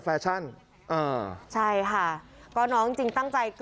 เป็นลุคใหม่ที่หลายคนไม่คุ้นเคย